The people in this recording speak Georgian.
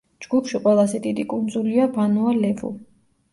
ჯგუფში ყველაზე დიდი კუნძულია ვანუა-ლევუ.